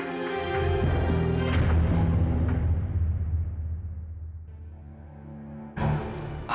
apa sebenarnya aku ada hubungannya sama perempuan itu